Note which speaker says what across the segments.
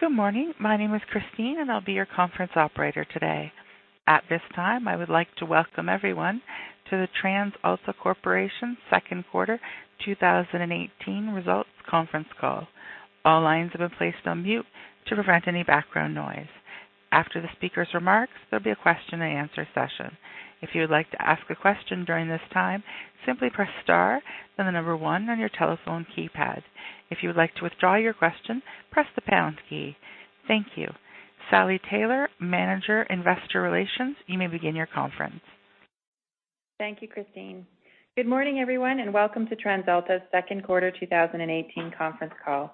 Speaker 1: Good morning. My name is Christine, and I'll be your conference operator today. At this time, I would like to welcome everyone to the TransAlta Corporation second quarter 2018 results conference call. All lines have been placed on mute to prevent any background noise. After the speaker's remarks, there'll be a question-and-answer session. If you would like to ask a question during this time, simply press star, then the number one on your telephone keypad. If you would like to withdraw your question, press the pound key. Thank you. Sally Taylor, Manager, Investor Relations, you may begin your conference.
Speaker 2: Thank you, Christine. Good morning, everyone, and welcome to TransAlta's second quarter 2018 conference call.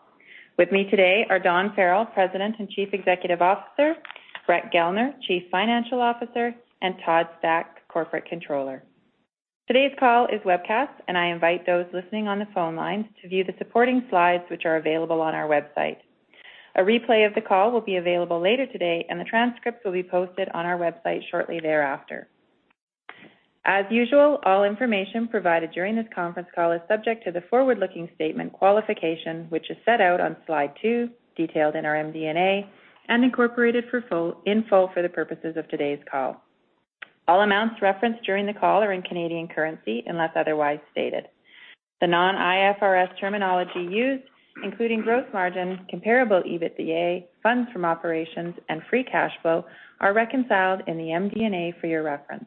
Speaker 2: With me today are Dawn Farrell, President and Chief Executive Officer, Brett Gellner, Chief Financial Officer, and Todd Stack, Corporate Controller. Today's call is webcast, and I invite those listening on the phone line to view the supporting slides, which are available on our website. A replay of the call will be available later today, and the transcripts will be posted on our website shortly thereafter. As usual, all information provided during this conference call is subject to the forward-looking statement qualification, which is set out on slide two, detailed in our MD&A, and incorporated in full for the purposes of today's call. All amounts referenced during the call are in Canadian currency, unless otherwise stated. The non-IFRS terminology used, including gross margin, comparable EBITDA, funds from operations, and free cash flow, are reconciled in the MD&A for your reference.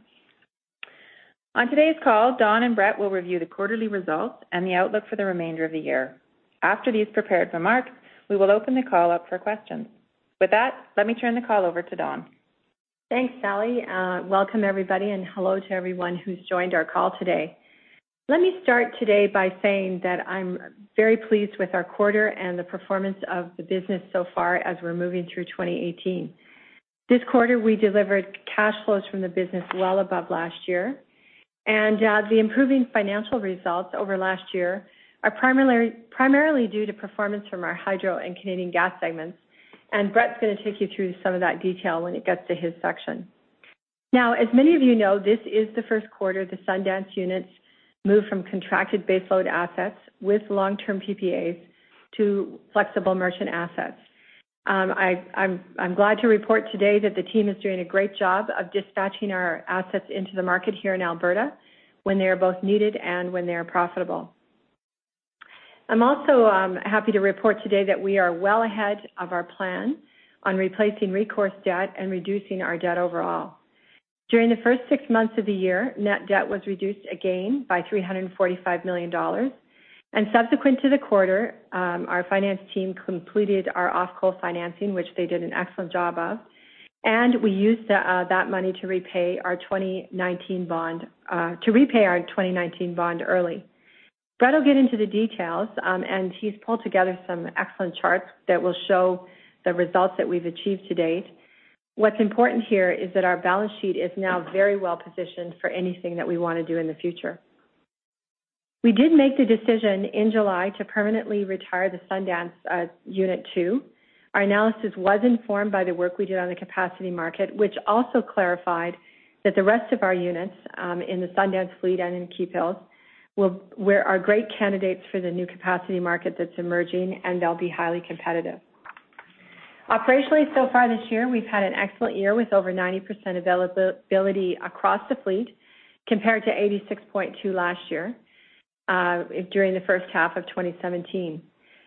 Speaker 2: On today's call, Dawn and Brett will review the quarterly results and the outlook for the remainder of the year. After these prepared remarks, we will open the call up for questions. With that, let me turn the call over to Dawn.
Speaker 3: Thanks, Sally. Welcome, everybody, and hello to everyone who's joined our call today. Let me start today by saying that I'm very pleased with our quarter and the performance of the business so far as we're moving through 2018. This quarter, we delivered cash flows from the business well above last year, and the improving financial results over last year are primarily due to performance from our Hydro and Canadian Gas segments. Brett's going to take you through some of that detail when it gets to his section. Now, as many of you know, this is the first quarter the Sundance units moved from contracted baseload assets with long-term PPAs to flexible merchant assets. I'm glad to report today that the team is doing a great job of dispatching our assets into the market here in Alberta when they are both needed and when they are profitable. I'm also happy to report today that we are well ahead of our plan on replacing recourse debt and reducing our debt overall. During the first six months of the year, net debt was reduced again by 345 million dollars. Subsequent to the quarter, our finance team completed our off-coal financing, which they did an excellent job of. We used that money to repay our 2019 bond early. Brett will get into the details, and he's pulled together some excellent charts that will show the results that we've achieved to date. What's important here is that our balance sheet is now very well-positioned for anything that we want to do in the future. We did make the decision in July to permanently retire the Sundance unit two. Our analysis was informed by the work we did on the capacity market, which also clarified that the rest of our units in the Sundance fleet and in Keephills are great candidates for the new capacity market that's emerging, and they'll be highly competitive. Operationally, so far this year, we've had an excellent year with over 90% availability across the fleet, compared to 86.2% last year during the first half of 2017.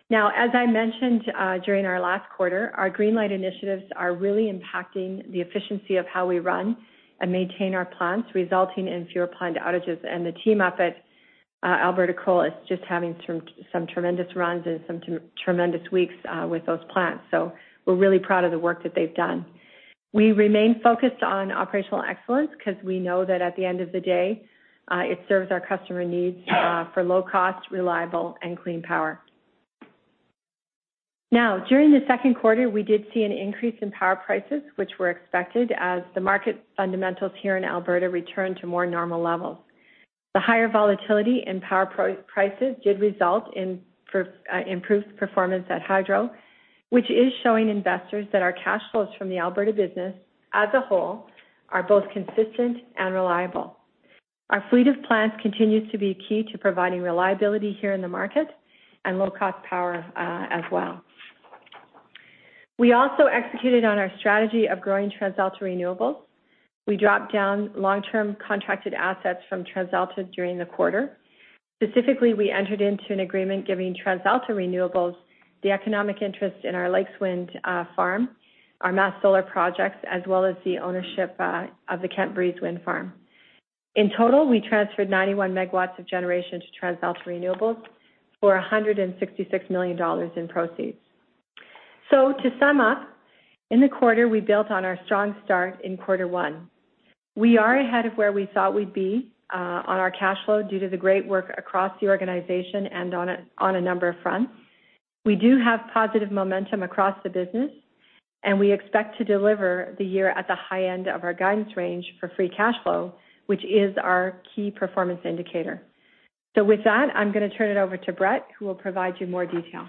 Speaker 3: Now, as I mentioned during our last quarter, our Greenlight initiatives are really impacting the efficiency of how we run and maintain our plants, resulting in fewer plant outages. The team up at Alberta Coal is just having some tremendous runs and some tremendous weeks with those plants. We're really proud of the work that they've done. We remain focused on operational excellence because we know that at the end of the day, it serves our customer needs for low cost, reliable, and clean power. Now, during the second quarter, we did see an increase in power prices, which were expected as the market fundamentals here in Alberta return to more normal levels. The higher volatility in power prices did result in improved performance at Hydro, which is showing investors that our cash flows from the Alberta business as a whole are both consistent and reliable. Our fleet of plants continues to be key to providing reliability here in the market and low-cost power as well. We also executed on our strategy of growing TransAlta Renewables. We dropped down long-term contracted assets from TransAlta during the quarter. Specifically, we entered into an agreement giving TransAlta Renewables the economic interest in our Lakeswind Wind Farm, our Mass Solar projects, as well as the ownership of the Kent Breeze Wind Farm. In total, we transferred 91 MW of generation to TransAlta Renewables for 166 million dollars in proceeds. To sum up, in the quarter, we built on our strong start in quarter one. We are ahead of where we thought we'd be on our cash flow due to the great work across the organization and on a number of fronts. We do have positive momentum across the business, and we expect to deliver the year at the high end of our guidance range for free cash flow, which is our key performance indicator. With that, I'm going to turn it over to Brett, who will provide you more detail.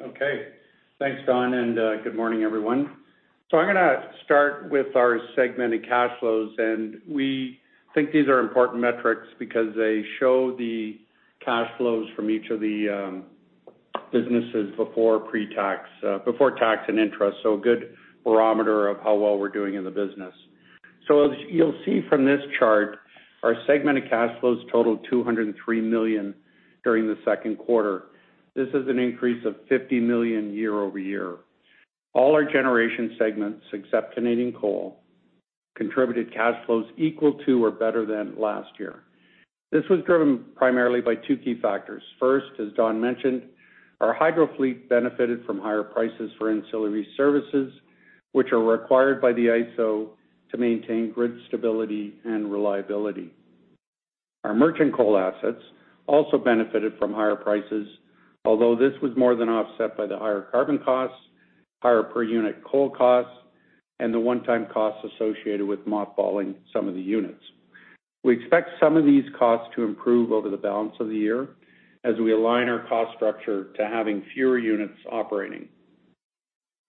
Speaker 4: Okay. Thanks, Dawn, and good morning, everyone. I'm going to start with our segmented cash flows. We think these are important metrics because they show the cash flows from each of the businesses before tax and interest, a good barometer of how well we're doing in the business. As you'll see from this chart, our segmented cash flows totaled 203 million during the second quarter. This is an increase of 50 million year-over-year. All our generation segments, except Canadian Coal, contributed cash flows equal to or better than last year. This was driven primarily by two key factors. First, as Dawn mentioned, our hydro fleet benefited from higher prices for ancillary services, which are required by the ISO to maintain grid stability and reliability. Our merchant coal assets also benefited from higher prices, although this was more than offset by the higher carbon costs, higher per-unit coal costs, and the one-time costs associated with mothballing some of the units. We expect some of these costs to improve over the balance of the year as we align our cost structure to having fewer units operating.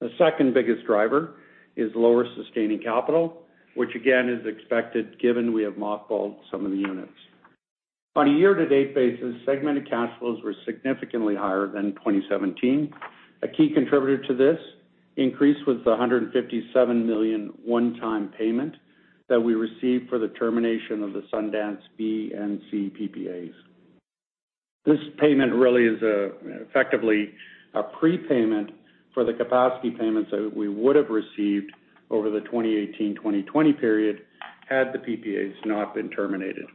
Speaker 4: The second biggest driver is lower sustaining capital, which, again, is expected given we have mothballed some of the units. On a year-to-date basis, segmented cash flows were significantly higher than 2017. A key contributor to this increase was the 157 million one-time payment that we received for the termination of the Sundance B and C PPAs. This payment really is effectively a prepayment for the capacity payments that we would have received over the 2018-2020 period had the PPAs not been terminated.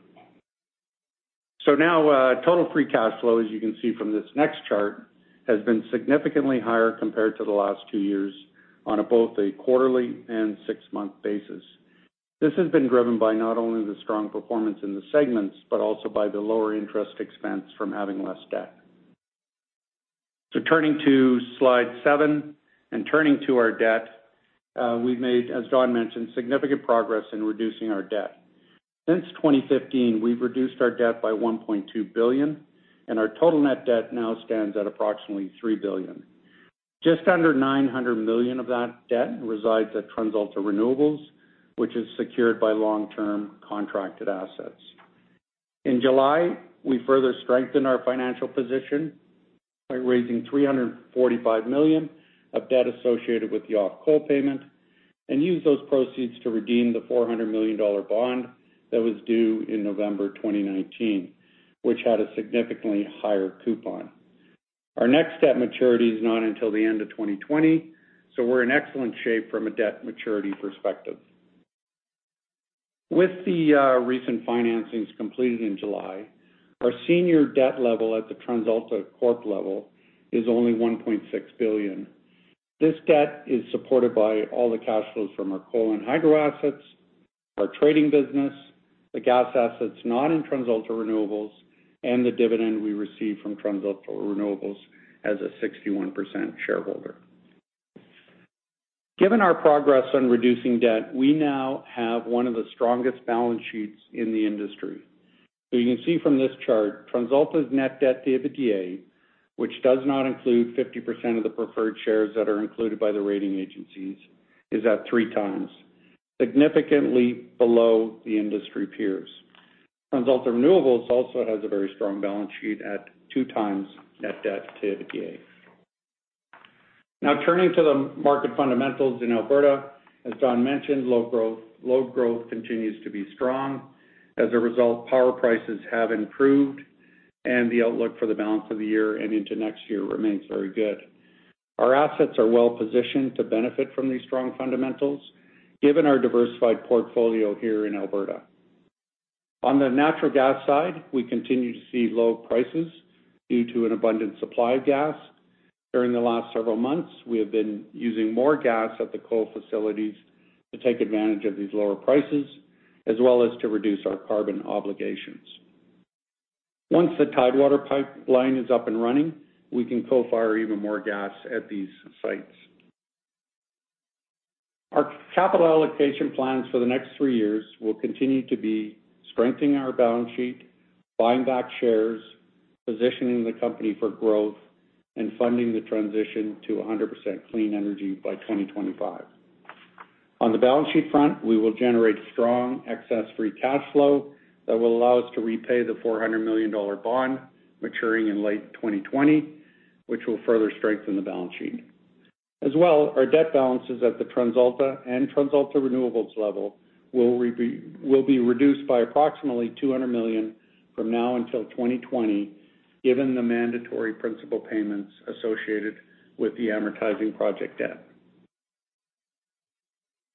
Speaker 4: Total free cash flow, as you can see from this next chart, has been significantly higher compared to the last two years on both a quarterly and six-month basis. This has been driven by not only the strong performance in the segments, but also by the lower interest expense from having less debt. Turning to slide seven and turning to our debt, we've made, as Dawn mentioned, significant progress in reducing our debt. Since 2015, we've reduced our debt by 1.2 billion, and our total net debt now stands at approximately 3 billion. Just under 900 million of that debt resides at TransAlta Renewables, which is secured by long-term contracted assets. In July, we further strengthened our financial position by raising 345 million of debt associated with the off-coal payment and used those proceeds to redeem the 400 million dollar bond that was due in November 2019, which had a significantly higher coupon. Our next debt maturity is not until the end of 2020, so we're in excellent shape from a debt maturity perspective. With the recent financings completed in July, our senior debt level at the TransAlta Corp level is only 1.6 billion. This debt is supported by all the cash flows from our coal and hydro assets, our trading business, the gas assets not in TransAlta Renewables, and the dividend we receive from TransAlta Renewables as a 61% shareholder. Given our progress on reducing debt, we now have one of the strongest balance sheets in the industry. You can see from this chart, TransAlta's net debt to EBITDA, which does not include 50% of the preferred shares that are included by the rating agencies, is at 3x, significantly below the industry peers. TransAlta Renewables also has a very strong balance sheet at 2x net debt to EBITDA. Now turning to the market fundamentals in Alberta. As Dawn mentioned, load growth continues to be strong. As a result, power prices have improved, and the outlook for the balance of the year and into next year remains very good. Our assets are well-positioned to benefit from these strong fundamentals given our diversified portfolio here in Alberta. On the natural gas side, we continue to see low prices due to an abundant supply of gas. During the last several months, we have been using more gas at the coal facilities to take advantage of these lower prices, as well as to reduce our carbon obligations. Once the Tidewater Pipeline is up and running, we can co-fire even more gas at these sites. Our capital allocation plans for the next three years will continue to be strengthening our balance sheet, buying back shares, positioning the company for growth, and funding the transition to 100% clean energy by 2025. On the balance sheet front, we will generate strong excess free cash flow that will allow us to repay the 400 million dollar bond maturing in late 2020, which will further strengthen the balance sheet. As well, our debt balances at the TransAlta and TransAlta Renewables level will be reduced by approximately 200 million from now until 2020, given the mandatory principal payments associated with the amortizing project debt.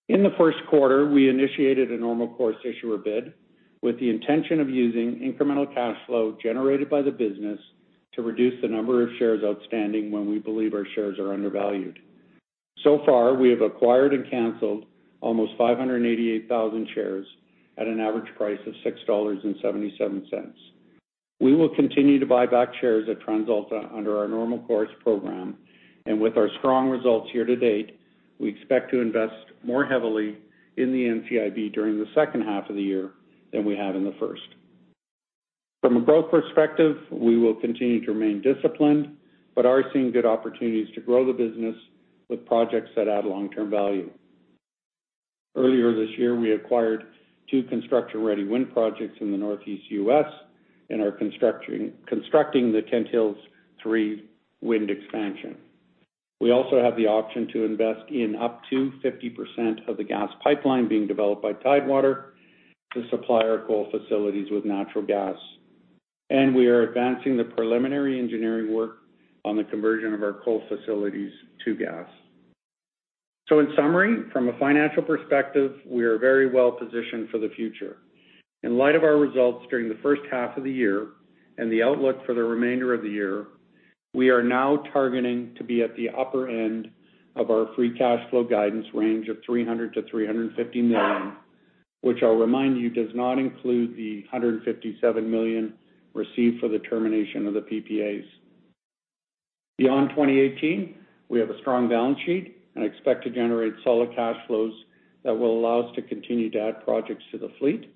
Speaker 4: In the first quarter, we initiated a normal course issuer bid with the intention of using incremental cash flow generated by the business to reduce the number of shares outstanding when we believe our shares are undervalued. So far, we have acquired and canceled almost 588,000 shares at an average price of 6.77 dollars. We will continue to buy back shares at TransAlta under our normal course program. With our strong results year to date, we expect to invest more heavily in the NCIB during the second half of the year than we have in the first. From a growth perspective, we will continue to remain disciplined, but are seeing good opportunities to grow the business with projects that add long-term value. Earlier this year, we acquired two construction-ready wind projects in the Northeast U.S. and are constructing the Kent Hills 3 wind expansion. We also have the option to invest in up to 50% of the gas pipeline being developed by Tidewater to supply our coal facilities with natural gas. We are advancing the preliminary engineering work on the conversion of our coal facilities to gas. In summary, from a financial perspective, we are very well-positioned for the future. In light of our results during the first half of the year and the outlook for the remainder of the year, we are now targeting to be at the upper end of our free cash flow guidance range of 300 million-350 million, which I'll remind you, does not include the 157 million received for the termination of the PPAs. Beyond 2018, we have a strong balance sheet and expect to generate solid cash flows that will allow us to continue to add projects to the fleet,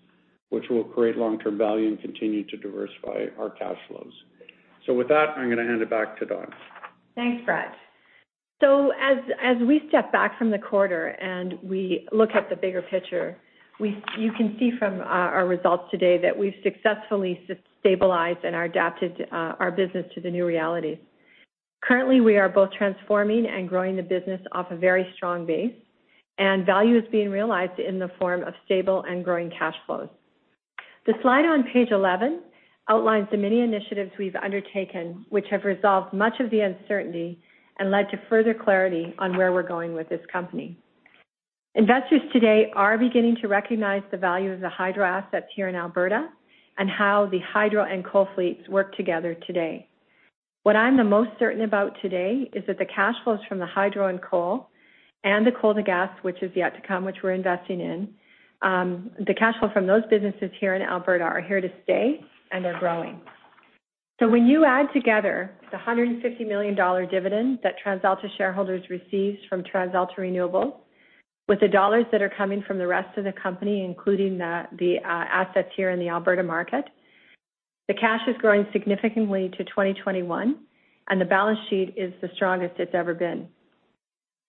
Speaker 4: which will create long-term value and continue to diversify our cash flows. With that, I'm going to hand it back to Dawn.
Speaker 3: Thanks, Brett. As we step back from the quarter and we look at the bigger picture, you can see from our results today that we've successfully stabilized and adapted our business to the new reality. Currently, we are both transforming and growing the business off a very strong base, and value is being realized in the form of stable and growing cash flows. The slide on Page 11 outlines the many initiatives we've undertaken, which have resolved much of the uncertainty and led to further clarity on where we're going with this company. Investors today are beginning to recognize the value of the hydro assets here in Alberta and how the hydro and coal fleets work together today. What I'm the most certain about today is that the cash flows from the hydro and coal, and the coal to gas, which is yet to come, which we're investing in. The cash flow from those businesses here in Alberta are here to stay, and they're growing. When you add together the 150 million dollar dividend that TransAlta shareholders received from TransAlta Renewables with the dollars that are coming from the rest of the company, including the assets here in the Alberta market, the cash is growing significantly to 2021, and the balance sheet is the strongest it's ever been.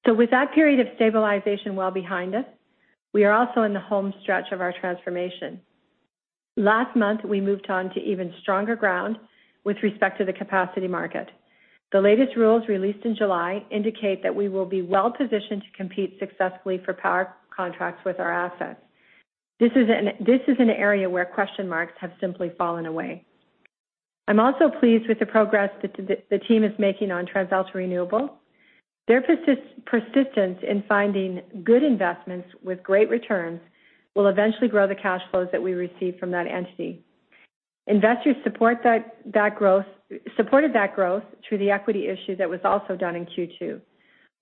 Speaker 3: With that period of stabilization well behind us, we are also in the home stretch of our transformation. Last month, we moved on to even stronger ground with respect to the capacity market. The latest rules released in July indicate that we will be well-positioned to compete successfully for power contracts with our assets. This is an area where question marks have simply fallen away. I'm also pleased with the progress the team is making on TransAlta Renewables. Their persistence in finding good investments with great returns will eventually grow the cash flows that we receive from that entity. Investors supported that growth through the equity issue that was also done in Q2.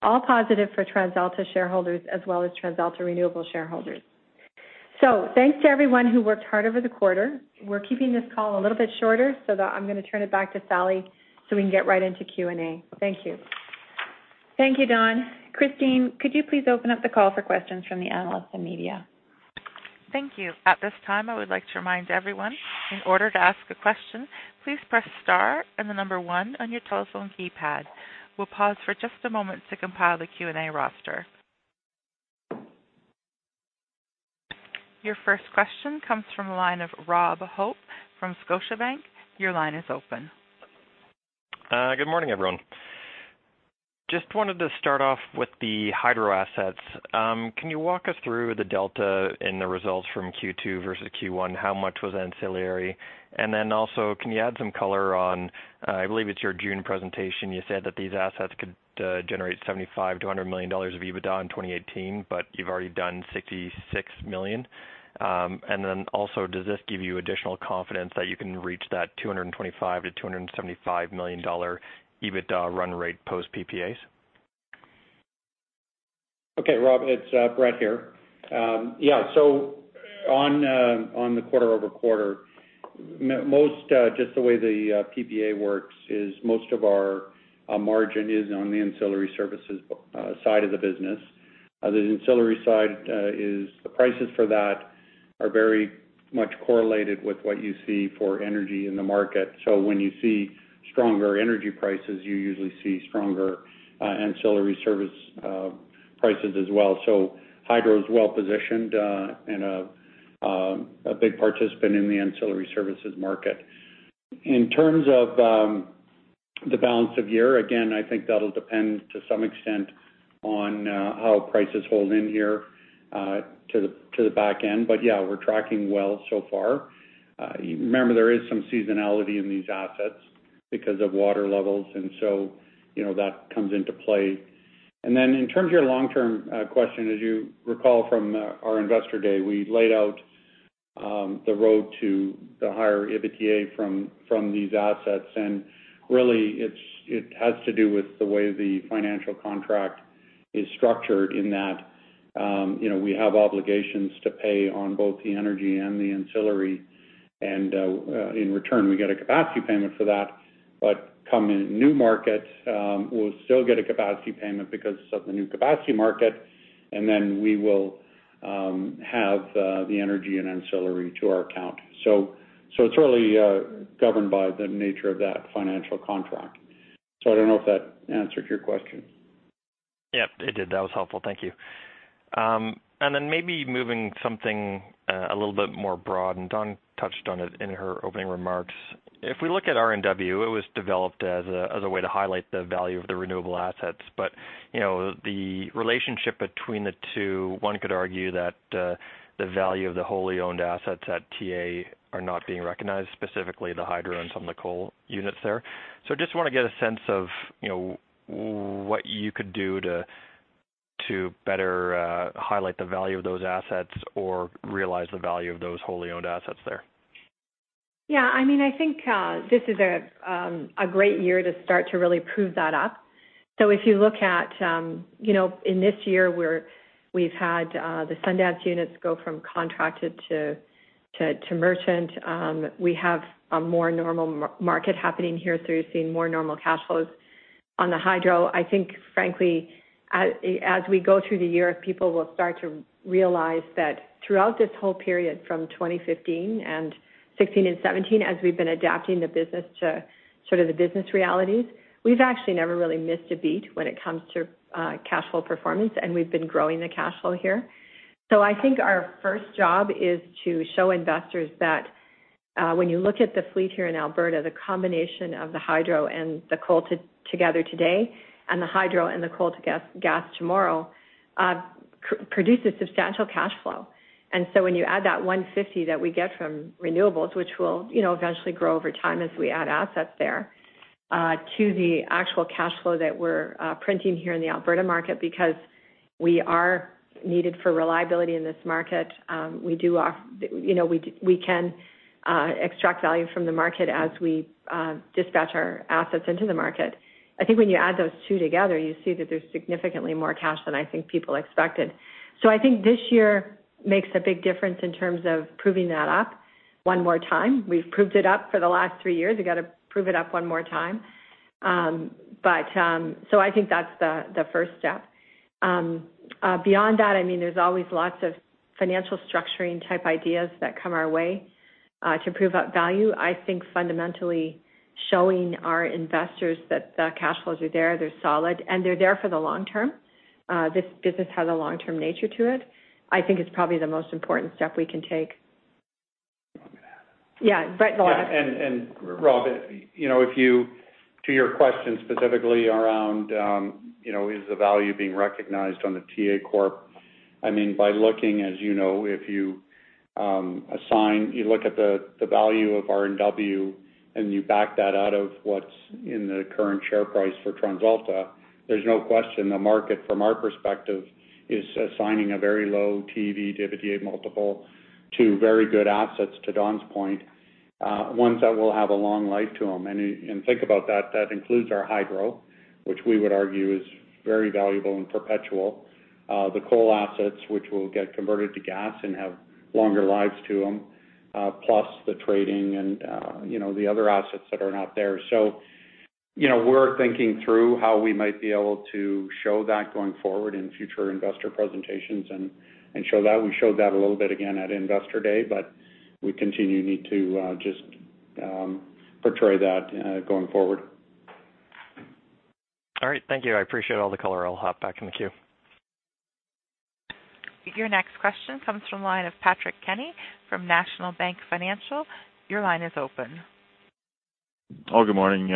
Speaker 3: All positive for TransAlta shareholders as well as TransAlta Renewables shareholders. Thanks to everyone who worked hard over the quarter. We're keeping this call a little bit shorter, so I'm going to turn it back to Sally so we can get right into Q&A. Thank you.
Speaker 2: Thank you, Dawn. Christine, could you please open up the call for questions from the analysts and media?
Speaker 1: Thank you. At this time, I would like to remind everyone, in order to ask a question, please press star and the number one on your telephone keypad. We'll pause for just a moment to compile the Q&A roster. Your first question comes from the line of Robert Hope from Scotiabank. Your line is open.
Speaker 5: Good morning, everyone. Just wanted to start off with the hydro assets. Can you walk us through the delta in the results from Q2 versus Q1? How much was ancillary? Can you add some color on, I believe it's your June presentation, you said that these assets could generate 75 million-100 million dollars of EBITDA in 2018, but you've already done 66 million. Does this give you additional confidence that you can reach that 225 million-275 million dollar EBITDA run rate post PPAs?
Speaker 4: Okay, Rob, it's Brett here. Yeah. On the quarter-over-quarter, just the way the PPA works is most of our margin is on the ancillary services side of the business. The ancillary side, the prices for that are very much correlated with what you see for energy in the market. When you see stronger energy prices, you usually see stronger ancillary service prices as well. Hydro is well-positioned and a big participant in the ancillary services market. In terms of the balance of the year, again, I think that'll depend to some extent on how prices hold in here to the back end. Yeah, we're tracking well so far. Remember, there is some seasonality in these assets because of water levels, and so that comes into play. In terms of your long-term question, as you recall from our Investor Day, we laid out the road to the higher EBITDA from these assets. Really, it has to do with the way the financial contract is structured in that we have obligations to pay on both the energy and the ancillary. In return, we get a capacity payment for that. Come in new markets, we'll still get a capacity payment because of the new capacity market, and then we will have the energy and ancillary to our account. It's really governed by the nature of that financial contract. I don't know if that answered your question.
Speaker 5: Yep, it did. That was helpful. Thank you. Maybe moving something a little bit more broad, and Dawn touched on it in her opening remarks. If we look at RNW, it was developed as a way to highlight the value of the renewable assets. The relationship between the two, one could argue that the value of the wholly owned assets at TransAlta are not being recognized, specifically the hydro and some of the coal units there. I just want to get a sense of what you could do to better highlight the value of those assets or realize the value of those wholly owned assets there.
Speaker 3: Yeah. I think this is a great year to start to really prove that up. If you look at, in this year where we've had the Sundance units go from contracted to merchant, we have a more normal market happening here, so you're seeing more normal cash flows. On the hydro, I think frankly, as we go through the year, people will start to realize that throughout this whole period, from 2015 and 2016 and 2017, as we've been adapting the business to sort of the business realities, we've actually never really missed a beat when it comes to cash flow performance, and we've been growing the cash flow here. I think our first job is to show investors that when you look at the fleet here in Alberta, the combination of the hydro and the coal together today, and the hydro and the coal to gas tomorrow produces substantial cash flow. When you add that 150 that we get from renewables, which will eventually grow over time as we add assets there, to the actual cash flow that we're printing here in the Alberta market, because we are needed for reliability in this market, we can extract value from the market as we dispatch our assets into the market. I think when you add those two together, you see that there's significantly more cash than I think people expected. I think this year makes a big difference in terms of proving that up one more time. We've proved it up for the last three years. We've got to prove it up one more time. I think that's the first step. Beyond that, there's always lots of financial structuring type ideas that come our way to prove out value. I think fundamentally showing our investors that the cash flows are there, they're solid, and they're there for the long term. This business has a long-term nature to it. I think it's probably the most important step we can take. Yeah, Brett, go ahead.
Speaker 4: Rob, to your question specifically around, is the value being recognized on the TransAlta Corp? By looking, as you know, if you look at the value of RNW and you back that out of what's in the current share price for TransAlta, there's no question the market, from our perspective, is assigning a very low EV/EBITDA multiple to very good assets, to Dawn's point, ones that will have a long life to them. Think about that. That includes our hydro, which we would argue is very valuable and perpetual, the coal assets, which will get converted to gas and have longer lives to them, plus the trading and the other assets that are not there. We're thinking through how we might be able to show that going forward in future investor presentations and show that. We showed that a little bit again at Investor Day. We need to just portray that going forward.
Speaker 5: All right, thank you. I appreciate all the color. I'll hop back in the queue.
Speaker 1: Your next question comes from the line of Patrick Kenny from National Bank Financial. Your line is open.
Speaker 6: Oh, good morning.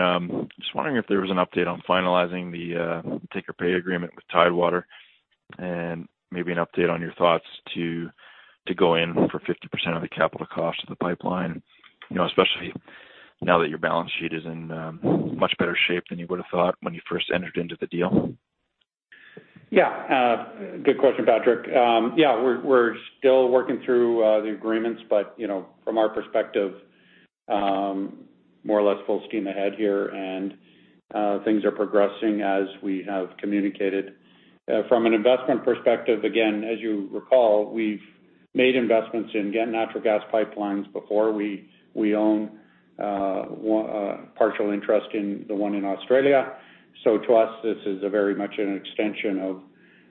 Speaker 6: Just wondering if there was an update on finalizing the take-or-pay agreement with Tidewater and maybe an update on your thoughts to go in for 50% of the capital cost of the pipeline, especially now that your balance sheet is in much better shape than you would've thought when you first entered into the deal?
Speaker 4: Yeah. Good question, Patrick. Yeah, we're still working through the agreements, but from our perspective, more or less full steam ahead here, and things are progressing as we have communicated. From an investment perspective, again, as you recall, we've made investments in natural gas pipelines before. We own partial interest in the one in Australia. To us, this is a very much an extension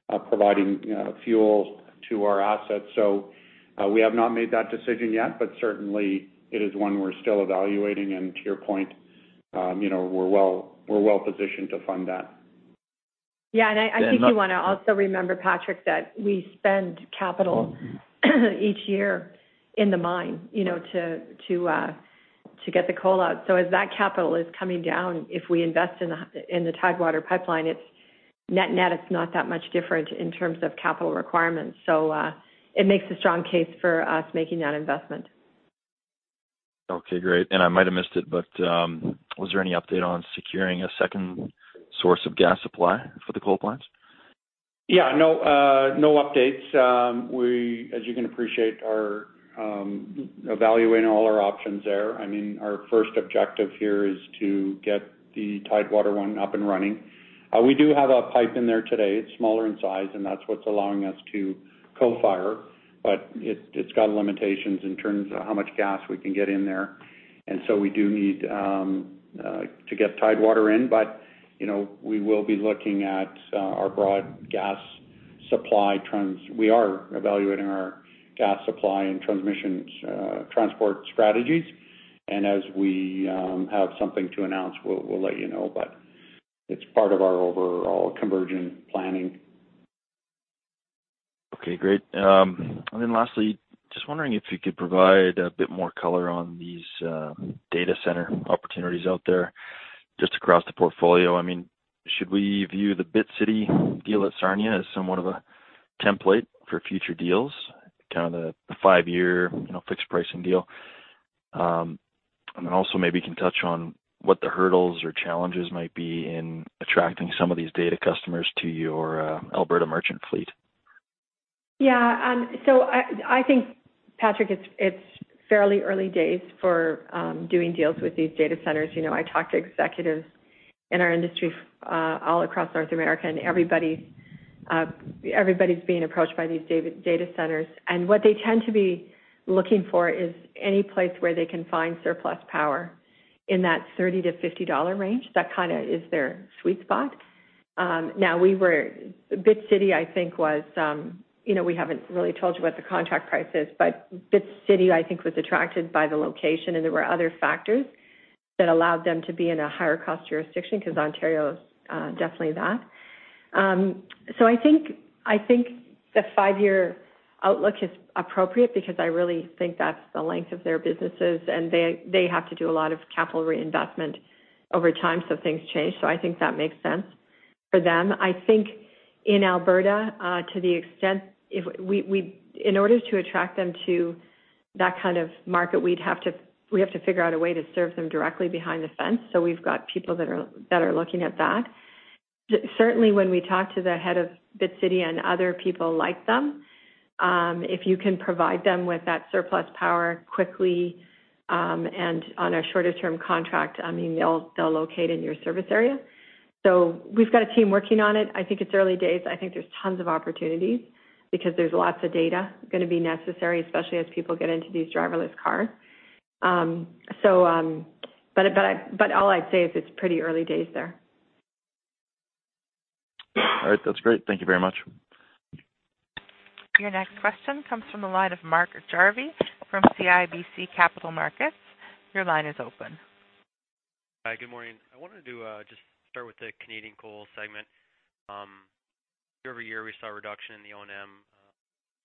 Speaker 4: of providing fuel to our assets. We have not made that decision yet, but certainly it is one we're still evaluating. To your point, we're well positioned to fund that.
Speaker 3: Yeah. I think you want to also remember, Patrick, that we spend capital each year in the mine to get the coal out. As that capital is coming down, if we invest in the Tidewater pipeline, net, it's not that much different in terms of capital requirements. It makes a strong case for us making that investment.
Speaker 6: Okay, great. I might have missed it, but was there any update on securing a second source of gas supply for the coal plants?
Speaker 4: Yeah, no updates. As you can appreciate, we're evaluating all our options there. Our first objective here is to get the Tidewater one up and running. We do have a pipe in there today. It's smaller in size, and that's what's allowing us to co-fire, but it's got limitations in terms of how much gas we can get in there. We do need to get Tidewater in, but we will be looking at our broad gas supply trends. We are evaluating our gas supply and transmissions transport strategies, and as we have something to announce, we'll let you know, but it's part of our overall conversion planning.
Speaker 6: Okay, great. Lastly, just wondering if you could provide a bit more color on these data center opportunities out there just across the portfolio. Should we view the BitCity deal at Sarnia as somewhat of a template for future deals, the five-year fixed pricing deal? Also maybe you can touch on what the hurdles or challenges might be in attracting some of these data customers to your Alberta merchant fleet.
Speaker 3: Yeah. I think, Patrick, it's fairly early days for doing deals with these data centers. I talk to executives in our industry all across North America, and everybody's being approached by these data centers. What they tend to be looking for is any place where they can find surplus power in that 30-50 dollar range. That is their sweet spot. Now, BitCity, we haven't really told you what the contract price is, but BitCity, I think, was attracted by the location, and there were other factors that allowed them to be in a higher-cost jurisdiction, because Ontario is definitely that. I think the five-year outlook is appropriate because I really think that's the length of their businesses, and they have to do a lot of capital reinvestment over time, so things change. I think that makes sense for them. I think in Alberta, in order to attract them to that kind of market, we have to figure out a way to serve them directly behind the fence. We've got people that are looking at that. Certainly, when we talk to the Head of BitCity and other people like them, if you can provide them with that surplus power quickly, and on a shorter-term contract, they'll locate in your service area. We've got a team working on it. I think it's early days. I think there's tons of opportunities because there's lots of data going to be necessary, especially as people get into these driverless cars. All I'd say is it's pretty early days there.
Speaker 6: All right. That's great. Thank you very much.
Speaker 1: Your next question comes from the line of Mark Jarvi from CIBC Capital Markets. Your line is open.
Speaker 7: Hi. Good morning. I wanted to just start with the Canadian Coal segment. Year-over-year, we saw a reduction in the O&M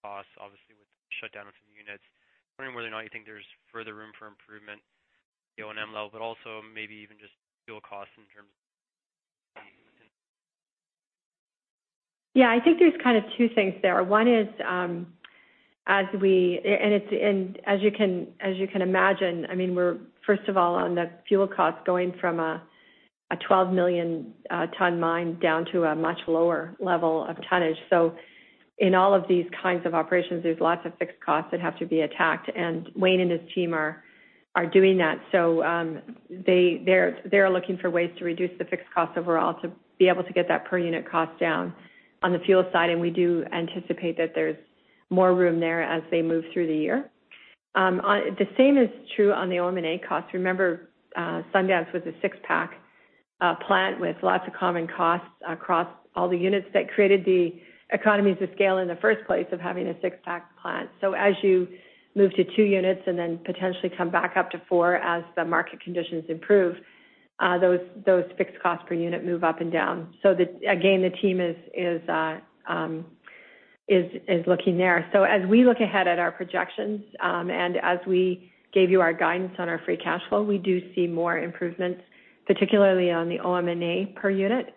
Speaker 7: costs, obviously, with the shutdown of some units. I am wondering whether or not you think there's further room for improvement at the O&M level, but also maybe even just fuel costs?
Speaker 3: Yeah, I think there's two things there. One is as you can imagine, first of all, on the fuel cost, going from a 12 million ton mine down to a much lower level of tonnage. In all of these kinds of operations, there's lots of fixed costs that have to be attacked, and Wayne and his team are doing that. They are looking for ways to reduce the fixed costs overall to be able to get that per-unit cost down on the fuel side, and we do anticipate that there's more room there as they move through the year. The same is true on the OM&A costs. Remember, Sundance was a six-pack plant with lots of common costs across all the units. That created the economies of scale in the first place of having a six-pack plant. As you move to two units and then potentially come back up to four as the market conditions improve, those fixed costs per unit move up and down. Again, the team is looking there. As we look ahead at our projections, and as we gave you our guidance on our free cash flow, we do see more improvements, particularly on the OM&A per unit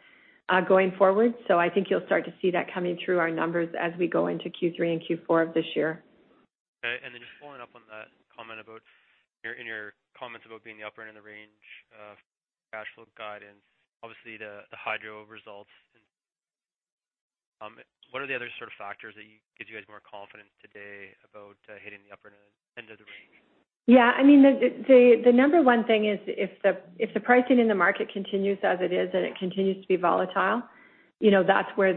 Speaker 3: going forward. I think you'll start to see that coming through our numbers as we go into Q3 and Q4 of this year.
Speaker 7: Okay. Just following up on that, in your comments about being the upper end of the range of cash flow guidance, obviously the hydro results, and what are the other sort of factors that gives you guys more confidence today about hitting the upper end of the range?
Speaker 3: Yeah. The number one thing is if the pricing in the market continues as it is, and it continues to be volatile, that's where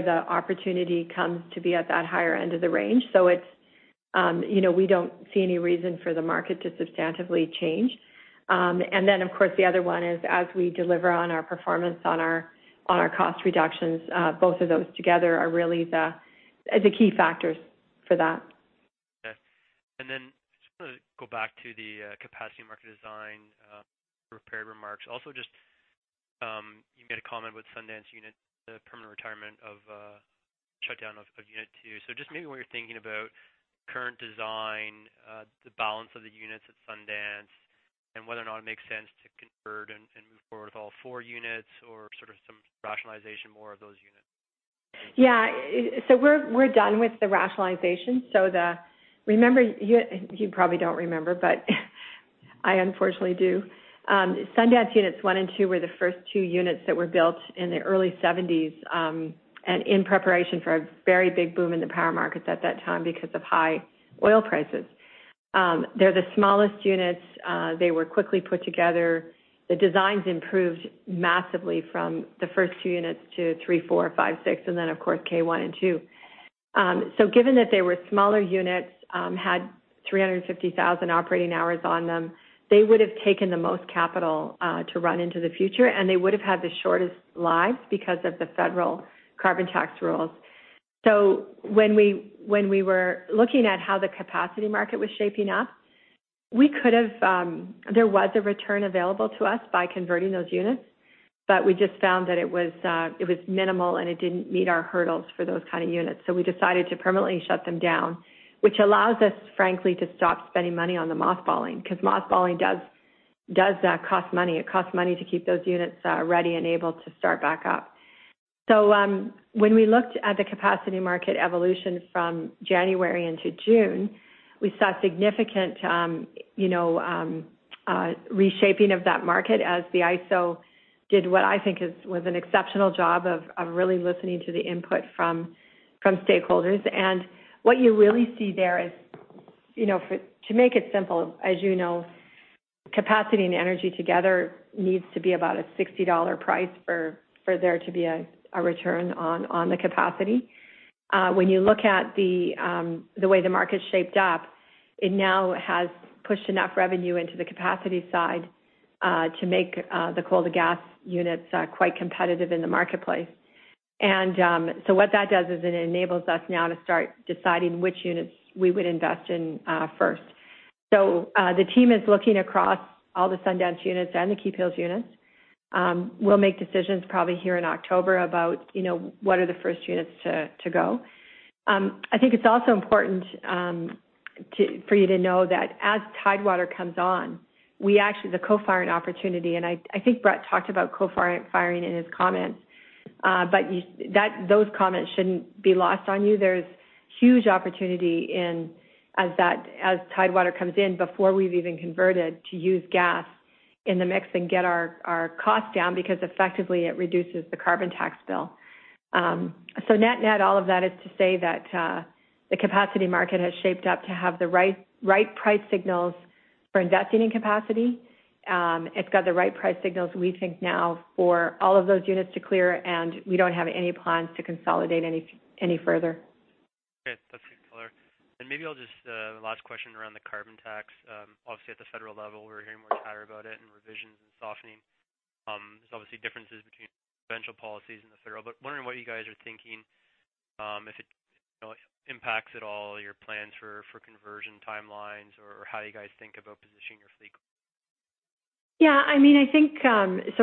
Speaker 3: the opportunity comes to be at that higher end of the range. We don't see any reason for the market to substantively change. Of course, the other one is as we deliver on our performance on our cost reductions, both of those together are really the key factors for that.
Speaker 7: Okay, I just want to go back to the capacity market design prepared remarks. Also, just you made a comment with Sundance unit, the permanent retirement shutdown of unit two. Just maybe when you're thinking about current design, the balance of the units at Sundance and whether or not it makes sense to convert and move forward with all four units or sort of some rationalization more of those units?
Speaker 3: Yeah. We're done with the rationalization. You probably don't remember, but I unfortunately do. Sundance units one and two were the first two units that were built in the early 1970s, and in preparation for a very big boom in the power markets at that time because of high oil prices. They're the smallest units. They were quickly put together. The designs improved massively from the first two units to three, four, five, six, and then, of course, Keephills 1 and 2. Given that they were smaller units, had 350,000 operating hours on them, they would have taken the most capital to run into the future, and they would have had the shortest lives because of the federal carbon tax rules. When we were looking at how the capacity market was shaping up, there was a return available to us by converting those units, but we just found that it was minimal and it didn't meet our hurdles for those kind of units. We decided to permanently shut them down, which allows us, frankly, to stop spending money on the mothballing, because mothballing does cost money. It costs money to keep those units ready and able to start back up. When we looked at the capacity market evolution from January into June, we saw significant reshaping of that market as the ISO did what I think was an exceptional job of really listening to the input from stakeholders. And what you really see there is, to make it simple, as you know, capacity and energy together needs to be about a $60 price for there to be a return on the capacity. When you look at the way the market's shaped up, it now has pushed enough revenue into the capacity side to make the coal-to-gas units quite competitive in the marketplace. And, so what that does is it enables us now to start deciding which units we would invest in first. So, the team is looking across all the Sundance units and the Keep Hills units. We'll make decisions probably here in October about what are the first units to go. I think it's also important for you to know that as Tidewater comes on, the co-firing opportunity, and I think Brett talked about co-firing in his comments. But those comments shouldn't be lost on you. There's huge opportunity as Tidewater comes in, before we've even converted to use gas in the mix and get our costs down, because effectively it reduces the carbon tax bill. Net-net, all of that is to say that the capacity market has shaped up to have the right price signals for investing in capacity. It's got the right price signals, we think now, for all of those units to clear, and we don't have any plans to consolidate any further.
Speaker 7: Okay. That's good color. Maybe I'll just, the last question around the carbon tax. Obviously, at the federal level, we're hearing more and more about it and revisions and softening. There's obviously differences between provincial policies and the federal, but wondering what you guys are thinking, if it impacts at all your plans for conversion timelines or how you guys think about positioning your fleet?
Speaker 3: Yeah.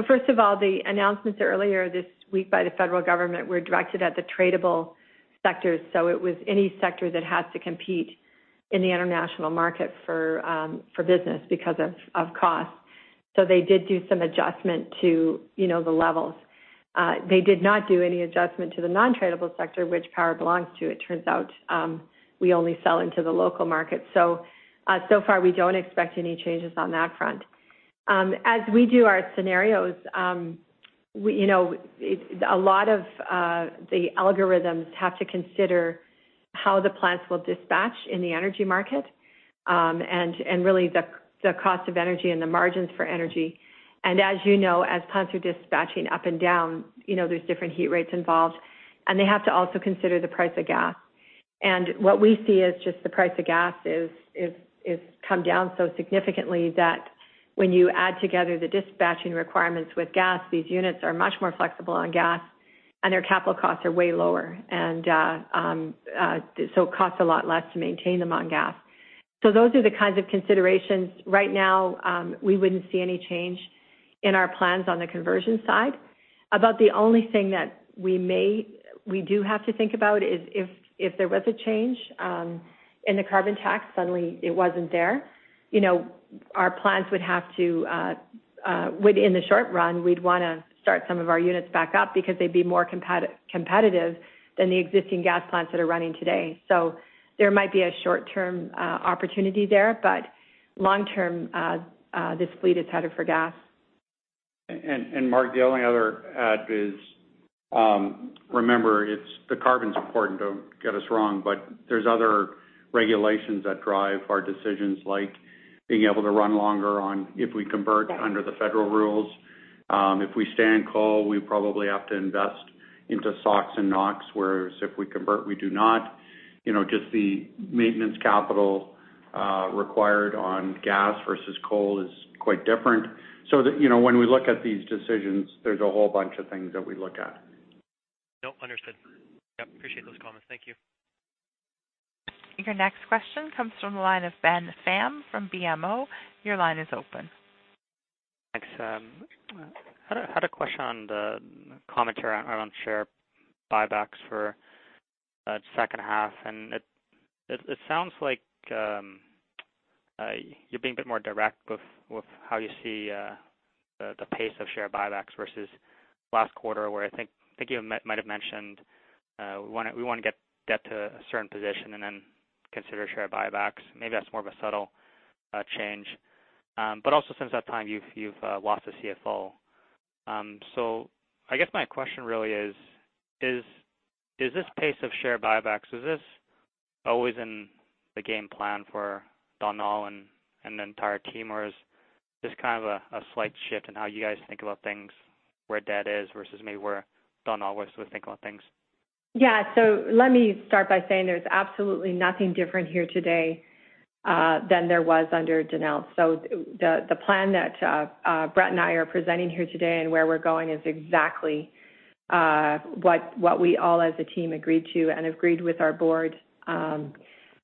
Speaker 3: First of all, the announcements earlier this week by the federal government were directed at the tradable sectors. It was any sector that has to compete in the international market for business because of cost. They did do some adjustment to the levels. They did not do any adjustment to the non-tradable sector, which power belongs to. It turns out, we only sell into the local market. So far, we don't expect any changes on that front. As we do our scenarios, a lot of the algorithms have to consider how the plants will dispatch in the energy market, and really the cost of energy and the margins for energy. As you know, as plants are dispatching up and down, there's different heat rates involved, and they have to also consider the price of gas. What we see is just the price of gas has come down so significantly that when you add together the dispatching requirements with gas, these units are much more flexible on gas and their capital costs are way lower. It costs a lot less to maintain them on gas. Those are the kinds of considerations. Right now, we wouldn't see any change in our plans on the conversion side. About the only thing that we do have to think about is if there was a change in the carbon tax, suddenly it wasn't there. In the short run, we'd want to start some of our units back up because they'd be more competitive than the existing gas plants that are running today. There might be a short-term opportunity there, but long term, this fleet is headed for gas.
Speaker 4: Mark, the only other add is, remember, the carbon's important, don't get us wrong, but there's other regulations that drive our decisions, like being able to run longer if we convert under the federal rules.
Speaker 3: Yes.
Speaker 4: If we stay in coal, we probably have to invest into SOx and NOx, whereas if we convert, we do not. Just the maintenance capital required on gas versus coal is quite different. When we look at these decisions, there's a whole bunch of things that we look at.
Speaker 7: No, understood. Yep, appreciate those comments. Thank you.
Speaker 1: Your next question comes from the line of Benjamin Pham from BMO. Your line is open.
Speaker 8: Thanks. I had a question on the commentary around share buybacks for the second half, and it sounds like you're being a bit more direct with how you see. The pace of share buybacks versus last quarter, where I think you might have mentioned, we want to get debt to a certain position and then consider share buybacks. Maybe that's more of a subtle change. Also since that time, you've lost a CFO. I guess my question really is this pace of share buybacks, is this always in the game plan for Donald and the entire team, or is this kind of a slight shift in how you guys think about things, where debt is versus maybe where Donald would think about things?
Speaker 3: Yeah. Let me start by saying there's absolutely nothing different here today than there was under Donald. The plan that Brett and I are presenting here today and where we're going is exactly what we all as a team agreed to and agreed with our Board, and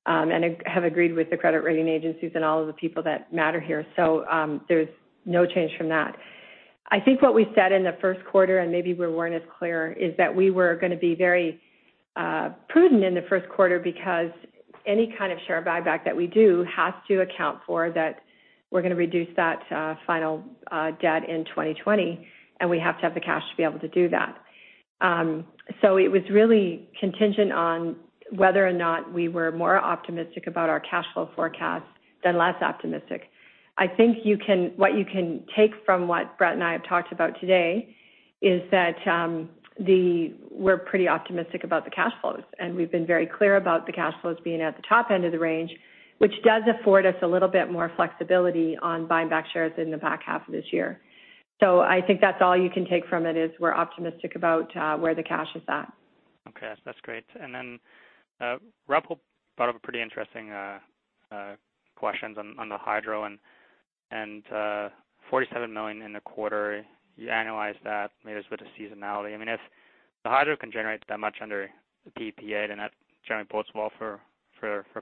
Speaker 3: have agreed with the credit rating agencies and all of the people that matter here. There's no change from that. I think what we said in the first quarter, and maybe we weren't as clear, is that we were going to be very prudent in the first quarter because any kind of share buyback that we do has to account for that we're going to reduce that final debt in 2020, and we have to have the cash to be able to do that. It was really contingent on whether or not we were more optimistic about our cash flow forecast than less optimistic. I think what you can take from what Brett and I have talked about today is that we're pretty optimistic about the cash flows, and we've been very clear about the cash flows being at the top end of the range, which does afford us a little bit more flexibility on buying back shares in the back half of this year. I think that's all you can take from it, is we're optimistic about where the cash is at.
Speaker 8: Okay. That's great. Robert Hope brought up a pretty interesting question on the hydro and 47 million in the quarter. You annualize that, maybe it's with the seasonality. I mean, if the hydro can generate that much under the PPA, then that generally bodes well for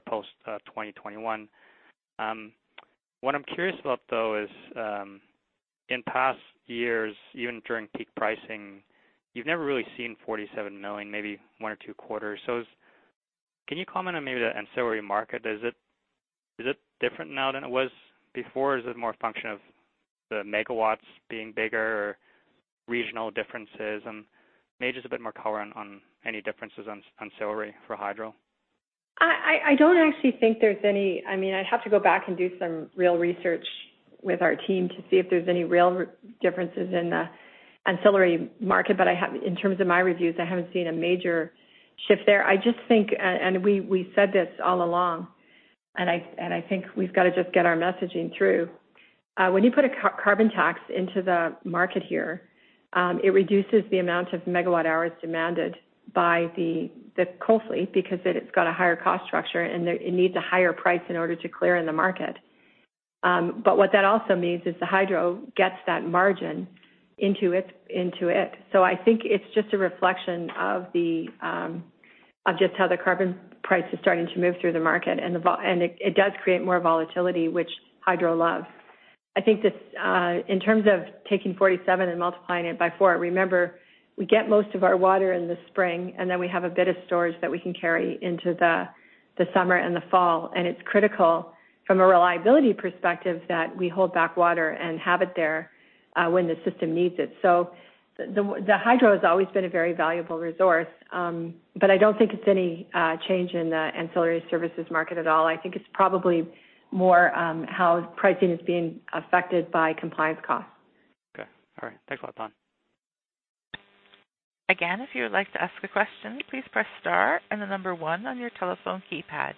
Speaker 8: post 2021. What I'm curious about though is, in past years, even during peak pricing, you've never really seen 47 million, maybe one or two quarters. Can you comment on maybe the ancillary market? Is it different now than it was before? Is it more a function of the megawatts being bigger or regional differences? Maybe just a bit more color on any differences on ancillary for hydro.
Speaker 3: I don't actually think there's any. I'd have to go back and do some real research with our team to see if there's any real differences in the ancillary market. In terms of my reviews, I haven't seen a major shift there. I just think, and we said this all along, and I think we've got to just get our messaging through. When you put a carbon tax into the market here, it reduces the amount of megawatt hours demanded by the coal fleet because it's got a higher cost structure, and it needs a higher price in order to clear in the market. What that also means is the hydro gets that margin into it. I think it's just a reflection of just how the carbon price is starting to move through the market, and it does create more volatility, which hydro loves. I think that in terms of taking 47 and multiplying it by four, remember, we get most of our water in the spring, and then we have a bit of storage that we can carry into the summer and the fall. It's critical from a reliability perspective that we hold back water and have it there when the system needs it. The hydro has always been a very valuable resource, but I don't think it's any change in the ancillary services market at all. I think it's probably more how pricing is being affected by compliance costs.
Speaker 8: Okay. All right. Thanks a lot, Dawn.
Speaker 1: Again, if you would like to ask a question, please press star and the number one on your telephone keypad.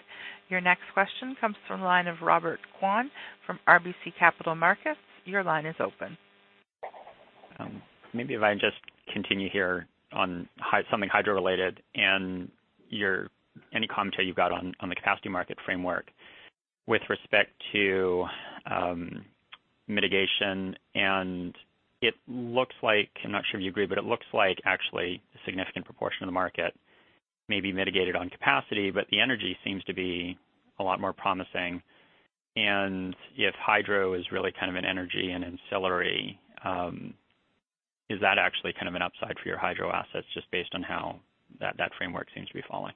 Speaker 1: Your next question comes from the line of Robert Kwan from RBC Capital Markets. Your line is open.
Speaker 9: Maybe if I just continue here on something hydro-related and any commentary you've got on the capacity market framework with respect to mitigation. I'm not sure if you agree, but it looks like actually a significant proportion of the market may be mitigated on capacity, but the energy seems to be a lot more promising. If hydro is really kind of an energy and ancillary, is that actually kind of an upside for your hydro assets just based on how that framework seems to be falling?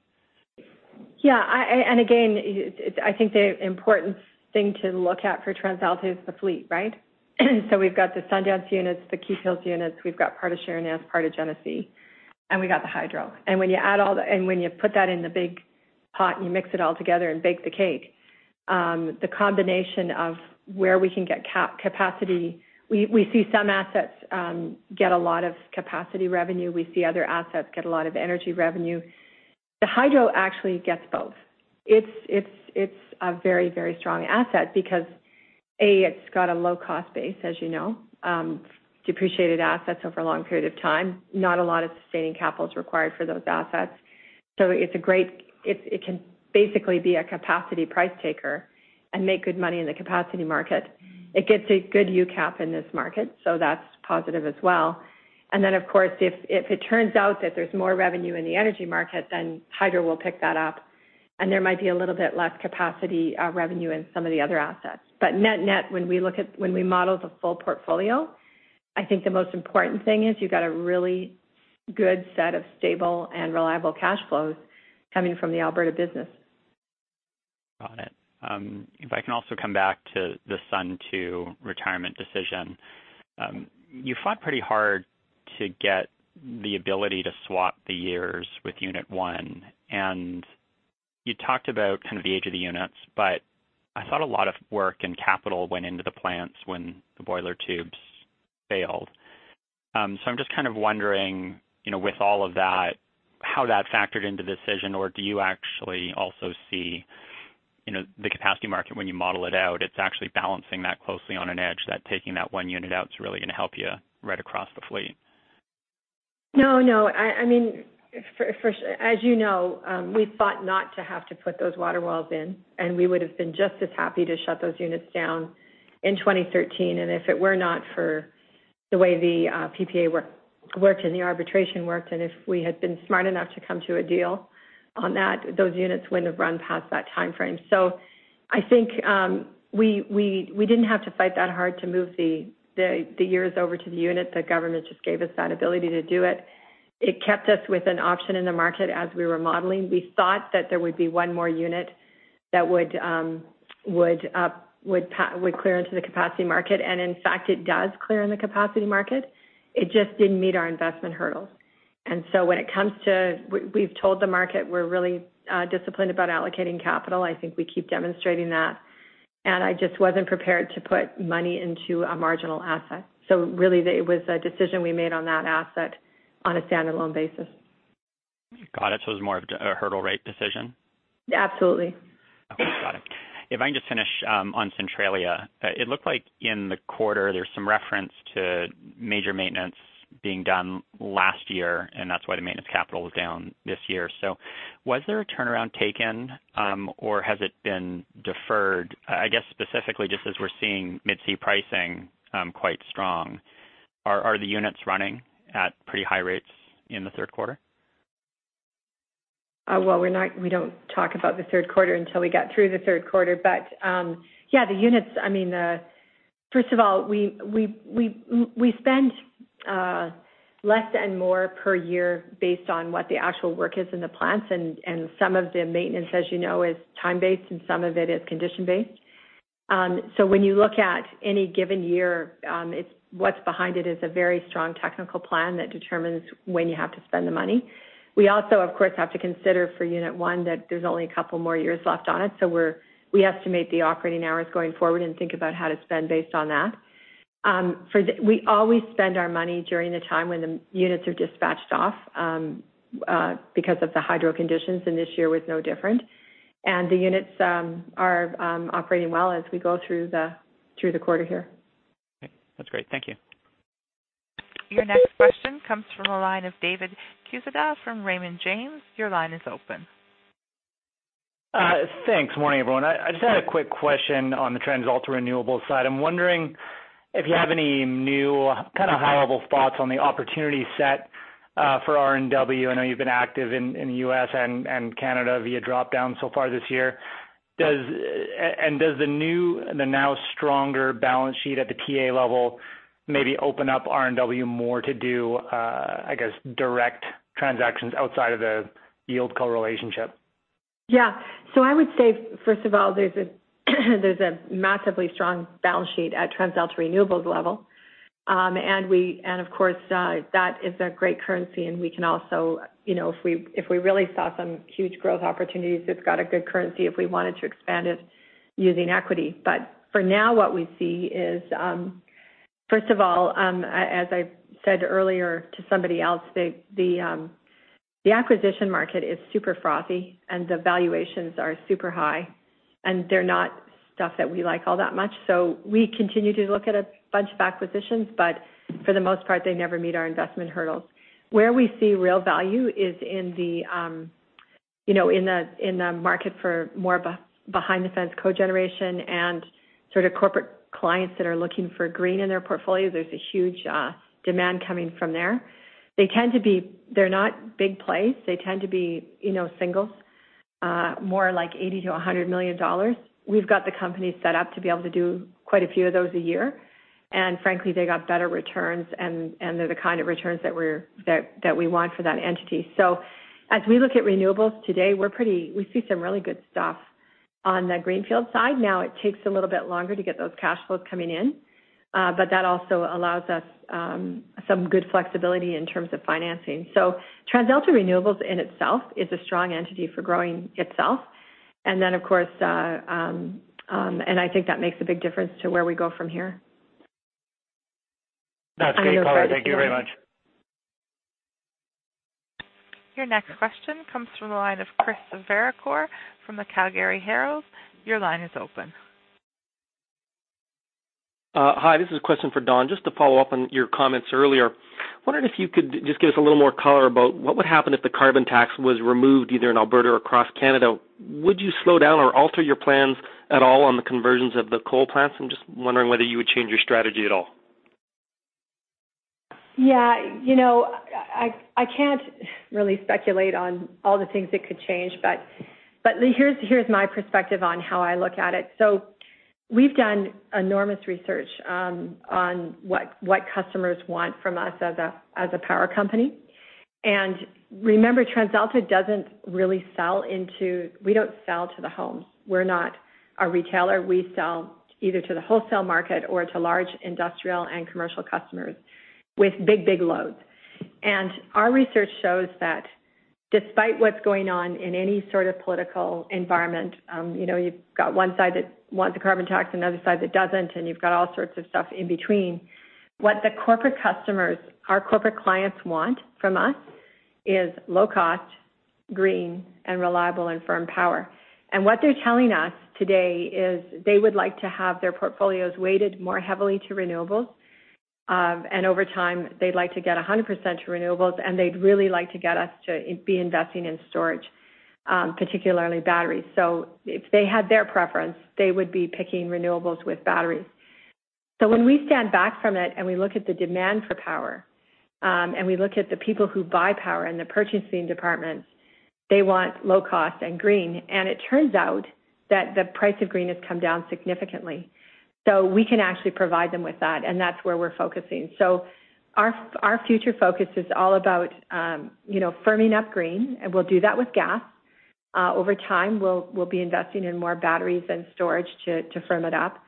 Speaker 3: Yeah. Again, I think the important thing to look at for TransAlta is the fleet, right? We've got the Sundance units, the Keephills units, we've got part of Sheerness, part of Genesee, and we got the hydro. When you put that in the big pot and you mix it all together and bake the cake, the combination of where we can get capacity, we see some assets get a lot of capacity revenue. We see other assets get a lot of energy revenue. The hydro actually gets both. It's a very strong asset because, A, it's got a low cost base, as you know. Depreciated assets over a long period of time. Not a lot of sustaining capital is required for those assets. It can basically be a capacity price taker and make good money in the capacity market. It gets a good UCAP in this market, so that's positive as well. Of course, if it turns out that there's more revenue in the energy market, then hydro will pick that up and there might be a little bit less capacity revenue in some of the other assets. Net-net, when we model the full portfolio, I think the most important thing is you got a really good set of stable and reliable cash flows coming from the Alberta business.
Speaker 9: Got it. If I can also come back to the Sundance 2 retirement decision. You fought pretty hard to get the ability to swap the years with unit one, and you talked about the age of the units, but I thought a lot of work and capital went into the plants when the boiler tubes failed. I'm just kind of wondering, with all of that, how that factored into the decision or do you actually also see the capacity market when you model it out? It's actually balancing that closely on an edge that taking that one unit out is really going to help you right across the fleet.
Speaker 3: No, no. As you know, we fought not to have to put those water walls in, and we would have been just as happy to shut those units down in 2013. And if it were not for the way the PPA worked and the arbitration worked, and if we had been smart enough to come to a deal on that, those units wouldn't have run past that timeframe. So I think, we didn't have to fight that hard to move the years over to the unit. The government just gave us that ability to do it. It kept us with an option in the market as we were modeling. We thought that there would be one more unit that would clear into the capacity market, and in fact, it does clear in the capacity market. It just didn't meet our investment hurdles. We've told the market we're really disciplined about allocating capital. I think we keep demonstrating that. I just wasn't prepared to put money into a marginal asset. Really, it was a decision we made on that asset on a standalone basis.
Speaker 9: Got it. It was more of a hurdle rate decision?
Speaker 3: Absolutely.
Speaker 9: Got it. If I can just finish on Centralia, it looked like in the quarter, there's some reference to major maintenance being done last year, and that's why the maintenance capital was down this year. Was there a turnaround taken or has it been deferred? I guess, specifically just as we're seeing Mid-C pricing quite strong, are the units running at pretty high rates in the third quarter?
Speaker 3: Well, we don't talk about the third quarter until we get through the third quarter. Yeah, first of all, we spend less and more per year based on what the actual work is in the plants, and some of the maintenance, as you know, is time-based, and some of it is condition-based. When you look at any given year, what's behind it is a very strong technical plan that determines when you have to spend the money. We also, of course, have to consider for unit one that there's only a couple more years left on it, so we estimate the operating hours going forward and think about how to spend based on that. We always spend our money during the time when the units are dispatched off, because of the hydro conditions, and this year was no different. The units are operating well as we go through the quarter here.
Speaker 9: Okay. That's great. Thank you.
Speaker 1: Your next question comes from the line of David Quezada from Raymond James. Your line is open.
Speaker 10: Thanks. Morning, everyone. I just had a quick question on the TransAlta Renewables side. I'm wondering if you have any new high-level thoughts on the opportunity set for RNW. I know you've been active in U.S. and Canada via drop-down so far this year. Does the now stronger balance sheet at the TransAlta level maybe open up RNW more to do, I guess, direct transactions outside of the yieldco relationship?
Speaker 3: Yeah. I would say, first of all, there's a massively strong balance sheet at TransAlta Renewables level. Of course, that is a great currency, and if we really saw some huge growth opportunities, it's got a good currency if we wanted to expand it using equity. For now, what we see is, first of all, as I said earlier to somebody else, the acquisition market is super frothy and the valuations are super high, and they're not stuff that we like all that much. We continue to look at a bunch of acquisitions, but for the most part, they never meet our investment hurdles. Where we see real value is in the market for more behind the fence cogeneration and sort of corporate clients that are looking for green in their portfolio. There's a huge demand coming from there. They're not big plays. They tend to be singles, more like 80 million-100 million dollars. We've got the company set up to be able to do quite a few of those a year. Frankly, they got better returns and they're the kind of returns that we want for that entity. As we look at renewables today, we see some really good stuff on the greenfield side. Now, it takes a little bit longer to get those cash flows coming in. That also allows us some good flexibility in terms of financing. TransAlta Renewables in itself is a strong entity for growing itself. I think that makes a big difference to where we go from here.
Speaker 10: That's great color. Thank you very much.
Speaker 1: Your next question comes from the line of Chris Varcoe from the Calgary Herald. Your line is open.
Speaker 11: Hi, this is a question for Dawn. Just to follow up on your comments earlier, wondering if you could just give us a little more color about what would happen if the carbon tax was removed either in Alberta or across Canada. Would you slow down or alter your plans at all on the conversions of the coal plants? I'm just wondering whether you would change your strategy at all.
Speaker 3: Yeah. I can't really speculate on all the things that could change, but here's my perspective on how I look at it. We've done enormous research on what customers want from us as a power company. Remember, TransAlta doesn't really sell to the homes. We're not a retailer. We sell either to the wholesale market or to large industrial and commercial customers with big loads. Our research shows that despite what's going on in any sort of political environment, you've got one side that wants a carbon tax and another side that doesn't, and you've got all sorts of stuff in between. What the corporate customers, our corporate clients want from us is low cost, green, and reliable and firm power. What they're telling us today is they would like to have their portfolios weighted more heavily to renewables. Over time, they'd like to get 100% to renewables, and they'd really like to get us to be investing in storage, particularly batteries. If they had their preference, they would be picking renewables with batteries. When we stand back from it and we look at the demand for power, and we look at the people who buy power and the purchasing departments, they want low cost and green. It turns out that the price of green has come down significantly. We can actually provide them with that, and that's where we're focusing. Our future focus is all about firming up green, and we'll do that with gas. Over time, we'll be investing in more batteries and storage to firm it up.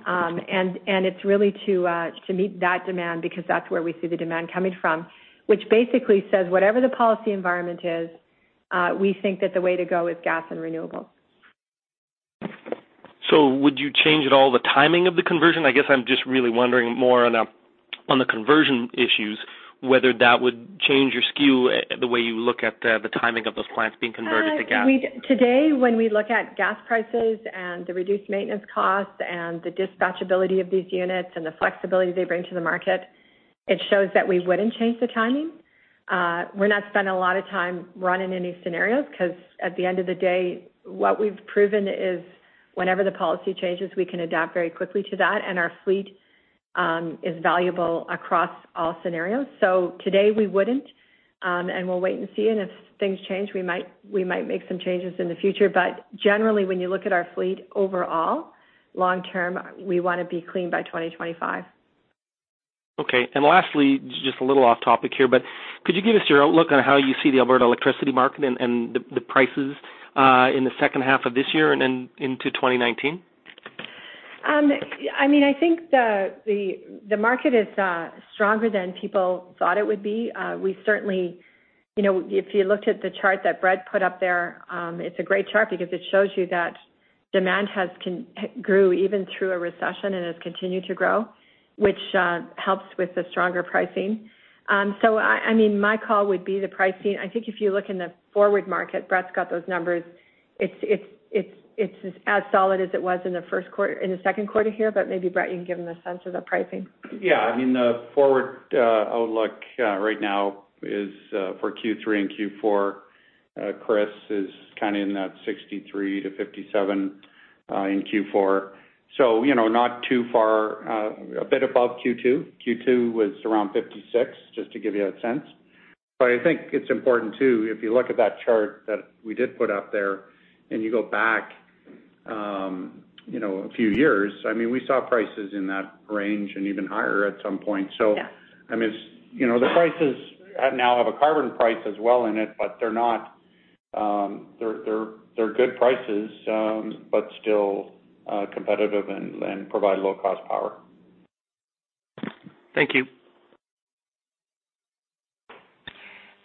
Speaker 3: It's really to meet that demand because that's where we see the demand coming from, which basically says whatever the policy environment is, we think that the way to go is gas and renewables.
Speaker 11: Would you change at all the timing of the conversion? I guess I'm just really wondering more on the conversion issues, whether that would change your skew, the way you look at the timing of those plants being converted to gas.
Speaker 3: Today, when we look at gas prices and the reduced maintenance costs and the dispatchability of these units and the flexibility they bring to the market, it shows that we wouldn't change the timing. We're not spend a lot of time running any scenarios because at the end of the day, what we've proven is whenever the policy changes, we can adapt very quickly to that, and our fleet is valuable across all scenarios. Today we wouldn't, and we'll wait and see. If things change, we might make some changes in the future. Generally, when you look at our fleet overall, long-term, we want to be clean by 2025.
Speaker 11: Okay. Lastly, just a little off topic here, but could you give us your outlook on how you see the Alberta electricity market and the prices in the second half of this year and into 2019?
Speaker 3: I think the market is stronger than people thought it would be. If you looked at the chart that Brett put up there, it's a great chart because it shows you that demand grew even through a recession and has continued to grow, which helps with the stronger pricing. My call would be the pricing. I think if you look in the forward market, Brett's got those numbers. It's as solid as it was in the second quarter here, but maybe Brett, you can give him the sense of the pricing.
Speaker 4: Yeah. The forward outlook right now is for Q3 and Q4. Chris is in that 63-57 in Q4, a bit above Q2. Q2 was around 56, just to give you a sense. I think it's important, too, if you look at that chart that we did put up there and you go back a few years, we saw prices in that range and even higher at some point.
Speaker 3: Yeah.
Speaker 4: The prices now have a carbon price as well in it, but they're good prices, but still competitive and provide low-cost power.
Speaker 11: Thank you.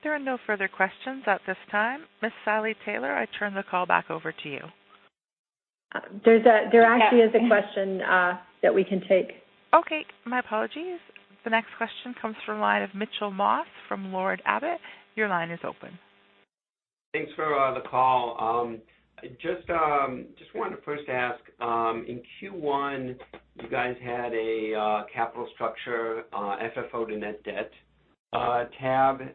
Speaker 1: There are no further questions at this time. Ms. Sally Taylor, I turn the call back over to you.
Speaker 2: There actually is a question that we can take.
Speaker 1: Okay. My apologies. The next question comes from the line of Mitchell Moss from Lord Abbett. Your line is open.
Speaker 12: Thanks for the call. I just wanted to first ask, in Q1, you guys had a capital structure FFO to net debt slide.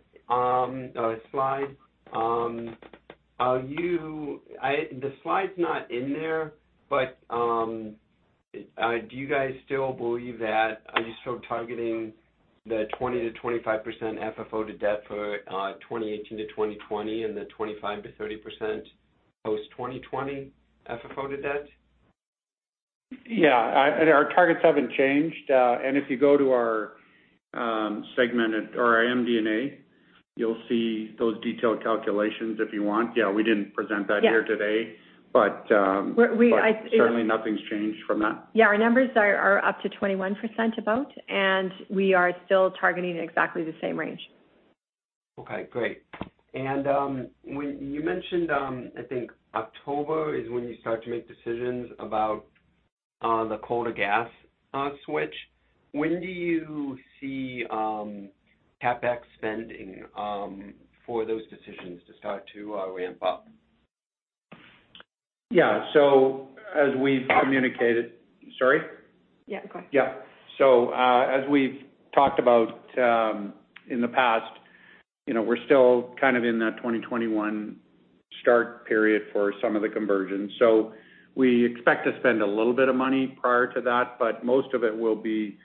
Speaker 12: The slide's not in there. Do you guys still believe that? Are you still targeting the 20%-25% FFO to debt for 2018-2020 and the 25%-30% post-2020 FFO to debt?
Speaker 4: Yeah. Our targets haven't changed. If you go to our segmented or our MD&A, you'll see those detailed calculations if you want. Yeah, we didn't present that here today.
Speaker 3: Yeah.
Speaker 4: Certainly nothing's changed from that.
Speaker 3: Yeah, our numbers are up to 21% about, and we are still targeting exactly the same range.
Speaker 12: Okay, great. You mentioned, I think October is when you start to make decisions about the coal-to-gas switch. When do you see CapEx spending for those decisions to start to ramp up?
Speaker 4: Yeah. As we've communicated. Sorry?
Speaker 3: Yeah, go ahead.
Speaker 4: Yeah. As we've talked about in the past, we're still in that 2021 start period for some of the conversions. We expect to spend a little bit of money prior to that, but most of it will be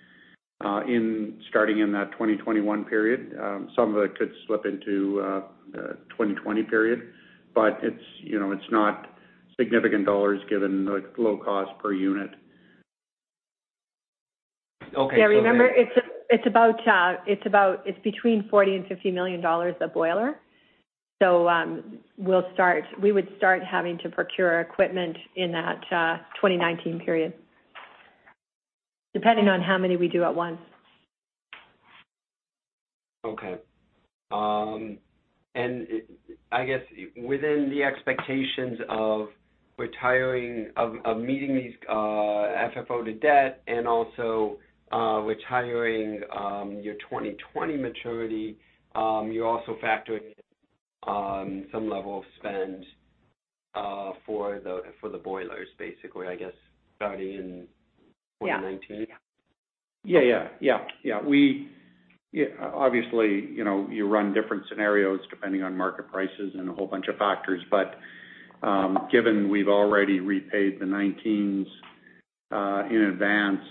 Speaker 4: starting in that 2021 period. Some of it could slip into the 2020 period. It's not significant dollars given the low cost per unit.
Speaker 12: Okay.
Speaker 3: Yeah. Remember, it's between 40 million and 50 million dollars a boiler. We would start having to procure equipment in that 2019 period, depending on how many we do at once.
Speaker 12: Okay. I guess within the expectations of meeting these FFO to debt and also retiring your 2020 maturity, you're also factoring some level of spend for the boilers, basically, I guess, starting in 2019.
Speaker 3: Yeah.
Speaker 4: Yeah. Obviously, you run different scenarios depending on market prices and a whole bunch of factors. Given we've already repaid the 2019s in advance,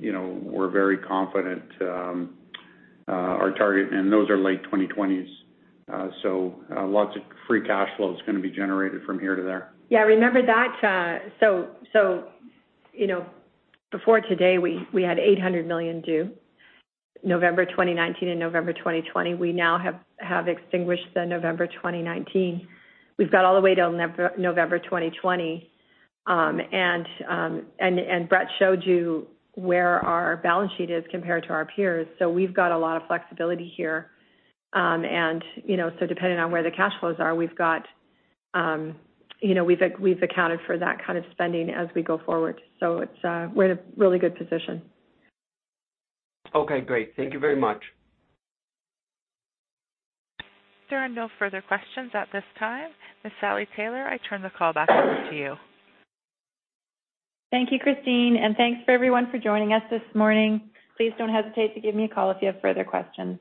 Speaker 4: we're very confident our target. Those are late 2020s, so lots of free cash flow is going to be generated from here to there.
Speaker 3: Yeah, remember that. Before today, we had 800 million due November 2019 and November 2020. We now have extinguished the November 2019. We've got all the way till November 2020. Brett showed you where our balance sheet is compared to our peers, so we've got a lot of flexibility here. Depending on where the cash flows are, we've accounted for that kind of spending as we go forward. We're in a really good position.
Speaker 12: Okay, great. Thank you very much.
Speaker 1: There are no further questions at this time. Ms. Sally Taylor, I turn the call back over to you.
Speaker 2: Thank you, Christine, and thanks for everyone for joining us this morning. Please don't hesitate to give me a call if you have further questions.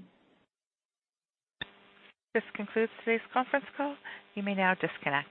Speaker 1: This concludes today's conference call. You may now disconnect.